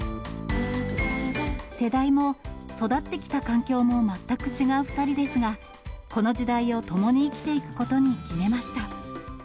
世代も、育ってきた環境も全く違う２人ですが、この時代を共に生きていくことに決めました。